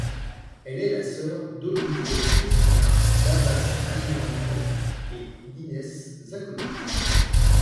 Elle est la sœur d'Olinto Cristina, d'Ada Almirante et d'Ines Zacconi.